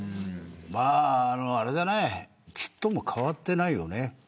まあ、あれだね、ちっとも変わってないよね